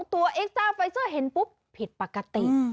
เอ็กซ้าไฟเซอร์เห็นปุ๊บผิดปกติ